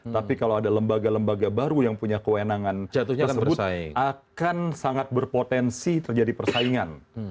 tapi kalau ada lembaga lembaga baru yang punya kewenangan tersebut akan sangat berpotensi terjadi persaingan